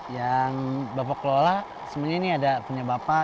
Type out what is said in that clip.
yang bapak kelola sebenarnya ini ada punya bapak